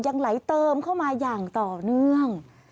ยังไหลเติมเข้ามาอย่างต่อเนื่อง